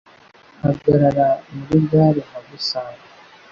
Hagarara muri gare mpagusange